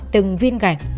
từng viên gạch